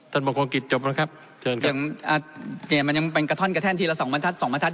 ท่านบางคนกิจจบแล้วครับเชิญครับอย่างอ่าเนี่ยมันยังเป็นกระท่อนกระแทนทีละสองมันทัด